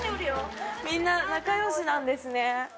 みんな仲よしなんですね。